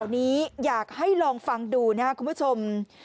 นี้อยากให้ลองฟังดูนะครับคุณผู้ชม